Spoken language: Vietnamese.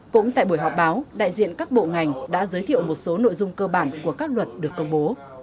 cũng tại buổi họp báo đại diện các bộ ngành đã giới thiệu một số nội dung cơ bản của các luật được công bố